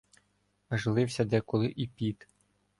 Аж лився деколи і піт.